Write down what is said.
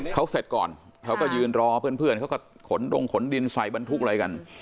เขาเสร็จก่อนเขาก็ยืนรอเพื่อนเขาก็ขนดงขนดินใส่บรรทุกอะไรกัน